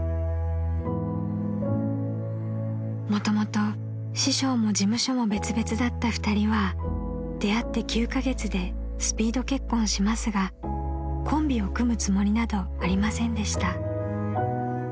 ［もともと師匠も事務所も別々だった２人は出会って９カ月でスピード結婚しますがコンビを組むつもりなどありませんでした］